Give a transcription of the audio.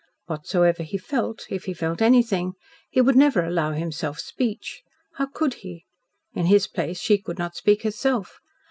Whatsoever he felt if he felt anything he would never allow himself speech. How could he? In his place she could not speak herself.